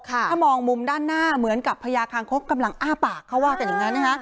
ถ้ามองมุมด้านหน้าเหมือนกับพญาคางคกกำลังอ้าปากเขาว่ากันอย่างนั้นนะคะ